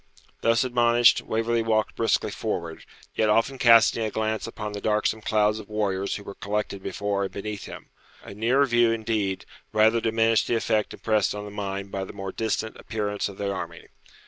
Thus admonished, Waverley walked briskly forward, yet often casting a glance upon the darksome clouds of warriors who were collected before and beneath him. A nearer view, indeed, rather diminished the effect impressed on the mind by the more distant appearance of the army.